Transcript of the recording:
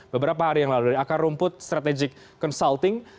beberapa hari yang lalu dari akar rumput strategic consulting